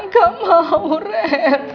gak mau ren